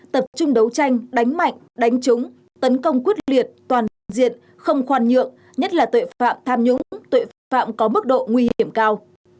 tập trung đấu tranh đánh mạnh đánh trúng tấn công quyết liệt toàn hiện diện không khoan nhượng nhất là tội phạm tham nhũng tuệ phạm có mức độ nguy hiểm cao